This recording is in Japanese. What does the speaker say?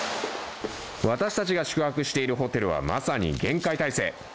私たちが宿泊するホテルはまさに厳戒態勢。